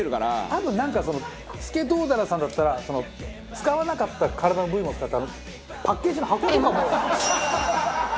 多分なんかそのスケトウダラさんだったら使わなかった体の部位も使ってパッケージの箱とかも。